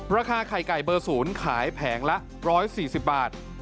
ราคาไข่ไก่เบอร์๐ขายแผงละ๑๔๐บาท